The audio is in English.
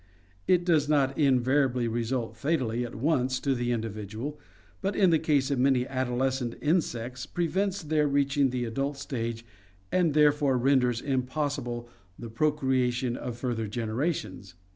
It does not invariably result fatally at once to the individual, but in the case of many adolescent insects prevents their reaching the adult stage and therefore renders impossible the procreation of further generations.